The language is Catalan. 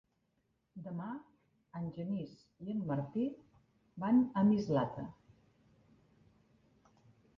Demà en Genís i en Martí van a Mislata.